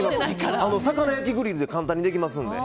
魚焼きグリルで簡単にできますので。